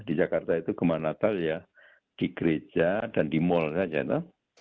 di jakarta itu gempa natal ya di gereja dan di mall saja tuh